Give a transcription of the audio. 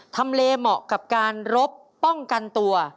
ทำเลเหมาะกับการรบป้องกันตัว